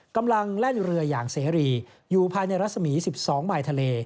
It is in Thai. แล่นเรืออย่างเสรีอยู่ภายในรัศมี๑๒มายทะเล